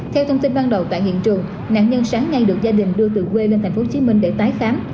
theo thông tin ban đầu tại hiện trường nạn nhân sáng nay được gia đình đưa từ quê lên tp hcm để tái khám